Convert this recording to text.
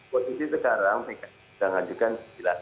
posisi sekarang mereka sudah ngajukan sembilan